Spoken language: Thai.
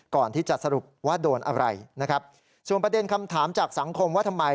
ก่อนที่จะสรุปว่าโดนอะไรนะครับส่วนประเด็นคำถามจากสังคมว่าทำไม